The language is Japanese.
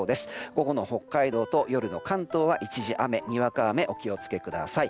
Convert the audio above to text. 午後の北海道と夜の関東は一時雨、にわか雨お気をつけください。